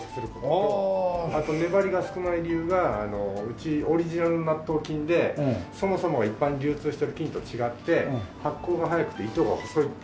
あと粘りが少ない理由がうちオリジナルの納豆菌でそもそもが一般に流通している菌と違って発酵が早くて糸が細いっていう。